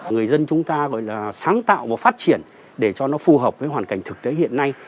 người dân chúng ta gọi là sáng tạo và phát triển để cho nó phù hợp với hoàn cảnh thực tế hiện nay